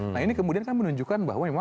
nah ini kemudian kan menunjukkan bahwa memang